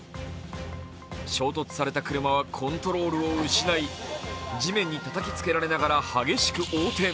衝突された車はコントロールを失い地面にたたきつけられながら激しく横転。